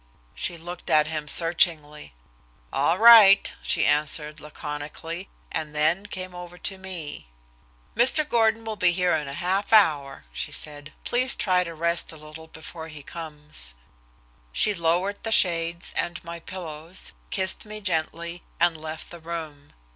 She looked at him searchingly. "All right," she answered laconically, and then came over to me. "Mr. Gordon will be here in a half hour," she said. "Please try to rest a little before he comes." She lowered the shades, and my pillows, kissed me gently, and left the room.